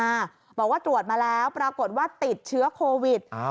บอกว่าตรวจมาแล้วปรากฏว่าติดเชื้อโควิด